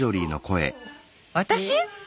私？